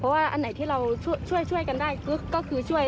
เพราะว่าอันไหนที่เราช่วยกันได้ก็คือช่วย